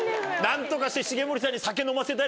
何とかして重盛さんに。よな？